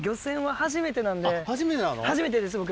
初めてです僕。